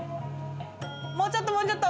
もうちょっともうちょっと。